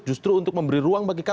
justru untuk memberi ruang bagi kami